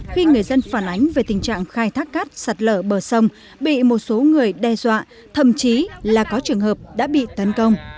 khi người dân phản ánh về tình trạng khai thác cát sạt lở bờ sông bị một số người đe dọa thậm chí là có trường hợp đã bị tấn công